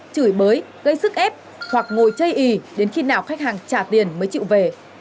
chửi bới gây sức ép hoặc ngồi chây ý đến khi nào khách hàng trả tiền mới chịu về